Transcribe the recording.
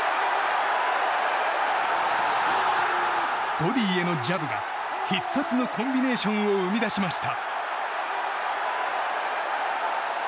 ボディーへのジャブが必殺のコンビネーションを生み出しました。